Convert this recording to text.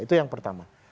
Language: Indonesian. itu yang pertama